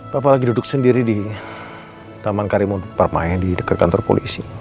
bapak lagi duduk sendiri di taman karimun permai di dekat kantor polisi